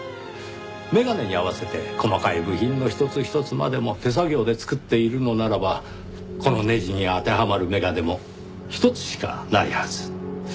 眼鏡に合わせて細かい部品の一つ一つまでも手作業で作っているのならばこのネジに当てはまる眼鏡も一つしかないはず。